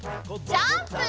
ジャンプ！